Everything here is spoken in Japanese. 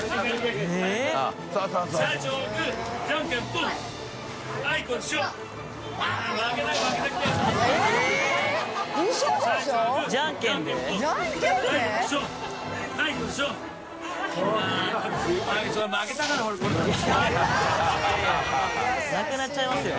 中島）なくなっちゃいますよ。